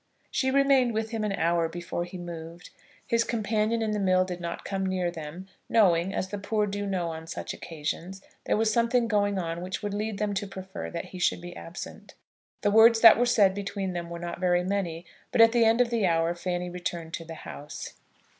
She remained with him an hour before he moved. His companion in the mill did not come near them, knowing, as the poor do know on such occasions, there was something going on which would lead them to prefer that he should be absent. The words that were said between them were not very many; but at the end of the hour Fanny returned to the house.